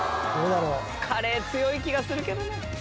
カレー強い気がするけど。